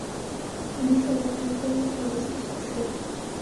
满手的牌数要求如下所示。